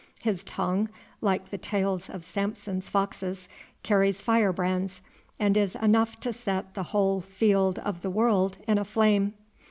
His tongue, like the tails of Samson's foxes, carries firebrands, and is enough to set the whole field of the world in a flame.